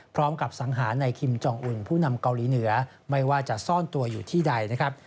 สังหารในคิมจองอุ่นผู้นำเกาหลีเหนือไม่ว่าจะซ่อนตัวอยู่ที่ใดนะครับ